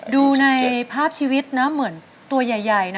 ดูในภาพชีวิตนะเหมือนตัวใหญ่นะ